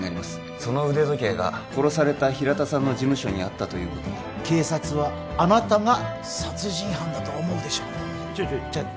その腕時計が殺された平田さんの事務所にあったということは警察はあなたが殺人犯だと思うでしょうねちょちょちょ